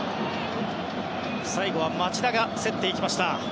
最後は町田が競っていきました。